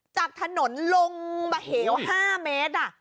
จากถนนลงมาเหว๕เมตร